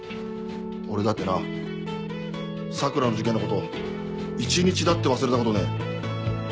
俺だってな桜の事件のこと一日だって忘れたことねえ。